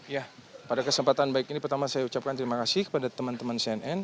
ya pada kesempatan baik ini pertama saya ucapkan terima kasih kepada teman teman cnn